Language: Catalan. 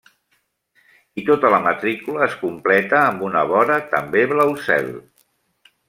I tota la matrícula es completa amb una vora també blau cel.